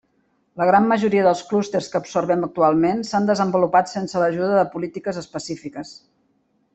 La gran majoria dels clústers que observem actualment s'han desenvolupat sense l'ajuda de polítiques específiques.